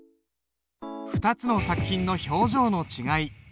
２つの作品の表情の違い。